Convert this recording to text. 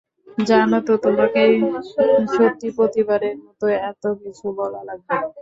জানো তো, তোমাকে সত্যিই, প্রতিবারের মতো এতকিছু বলা লাগবে না।